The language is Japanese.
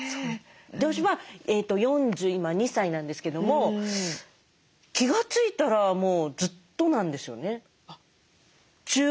私は４２歳なんですけども気が付いたらもうずっとなんですよね。